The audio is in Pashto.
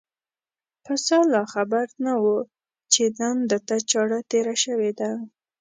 پسه لا خبر نه و چې نن ده ته چاړه تېره شوې ده.